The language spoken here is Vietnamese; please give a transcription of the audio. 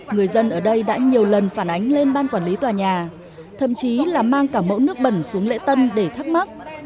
người dân ở đây đã nhiều lần phản ánh lên ban quản lý tòa nhà thậm chí là mang cả mẫu nước bẩn xuống lễ tân để thắc mắc